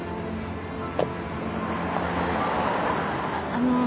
あの。